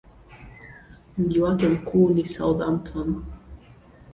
Mji wake mkuu ni Southampton.